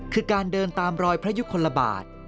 คือการเดินตามรอยพระยุคลบาท